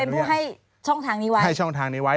เป็นผู้ให้ช่องทางนี้ไว้